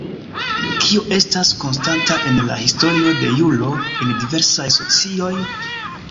Kio estas konstanta en la historio de juro en diversaj socioj?